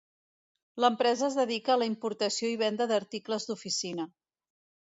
L'empresa es dedica a la importació i venda d'articles d'oficina.